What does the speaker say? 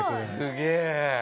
すげえ。